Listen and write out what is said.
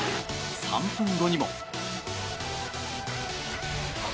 ３分後にも。